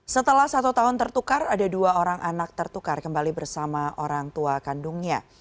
setelah satu tahun tertukar ada dua orang anak tertukar kembali bersama orang tua kandungnya